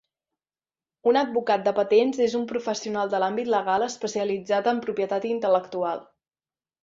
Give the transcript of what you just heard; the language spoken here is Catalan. Un advocat de patents és un professional de l'àmbit legal especialitzat en propietat intel·lectual